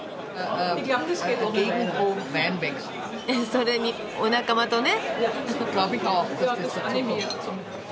それにお仲間とね。